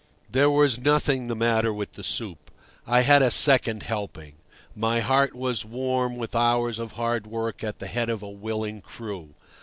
There was nothing the matter with the soup. I had a second helping. My heart was warm with hours of hard work at the head of a willing crew.